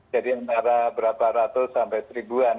jadi antara berapa ratus sampai seribuan